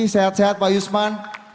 sehat sehat pak yusman